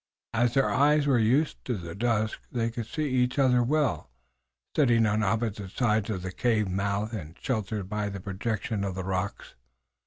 As their eyes were used to the dusk they could see each other well, sitting on opposite sides of the cave mouth and sheltered by the projection of the rocks.